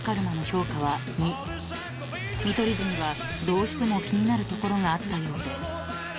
［見取り図にはどうしても気になるところがあったようで］